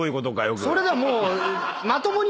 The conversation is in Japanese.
それでもう。